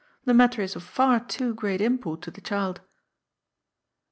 The matter is of far too great import to the child."